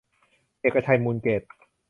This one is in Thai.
เอกชัย มูลเกษ